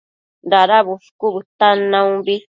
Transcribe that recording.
Dada bushcu bëtan naumbi